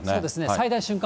最大瞬間